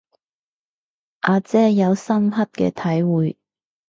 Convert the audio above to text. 阿姐有深刻嘅體會